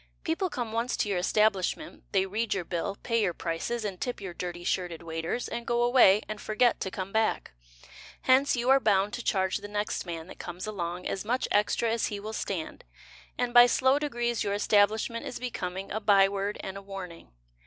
People come once to your establishment, They read your bill, Pay your prices And tip your dirty shirted waiters, And go away And forget to come back. Hence You are bound to charge The next man that comes along As much extra as he will stand, And by slow degrees Your establishment Is becoming A by word And a warning.